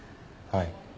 はい。